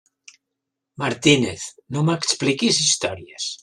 Martínez, no m'expliquis històries!